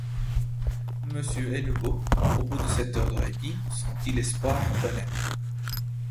Monsieur Hennebeau, au bout de cette heure de répit, sentit l’espoir renaître.